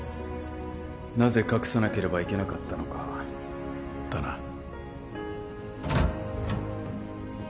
なぜ隠さなければいけなかったのかだな